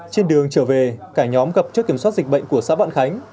trên đường trở về cả nhóm gặp trước kiểm soát dịch bệnh của xã vạn khánh